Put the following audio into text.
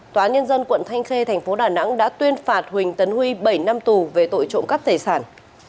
tòa nhân dân quận thanh khê thành phố đà nẵng đã tuyên phạt huỳnh tấn huy bảy năm tù về tội trộm cắp tài sản